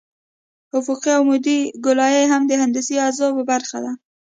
افقي او عمودي ګولایي هم د هندسي اجزاوو برخه ده